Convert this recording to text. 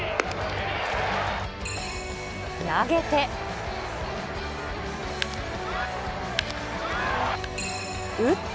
投げて、打って。